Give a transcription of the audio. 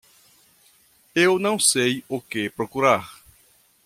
Eu não sei o que procurar.